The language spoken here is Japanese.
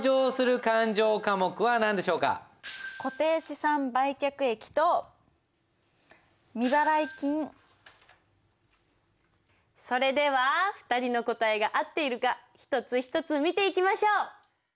そしてそれでは２人の答えが合っているか一つ一つ見ていきましょう。